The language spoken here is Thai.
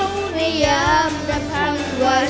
พยายามรับคำว่า